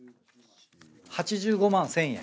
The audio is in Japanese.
８５万１，０００円。